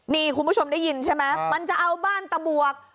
นี่คุณผู้ชมได้ยินใช่ไหมมันจะเอาบ้านตะบวก